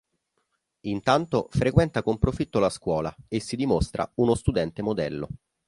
Intanto frequenta con profitto la scuola e si dimostra uno studente modello.